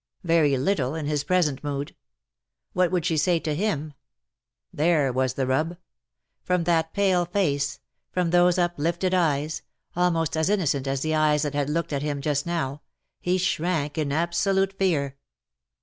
Very little, in his present mood. What would she say to him ? There was the rub. From that pale face — from those uplifted eyes — almost as innocent as the eyes that had looked at him just now — he shrank in absolute fear.